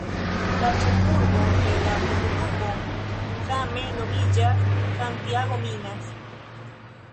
La ĉefurbo de la komunumo same nomiĝas "Santiago Minas".